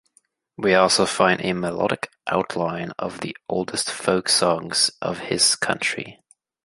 We also find a melodic outline of the oldest folk songs of his country.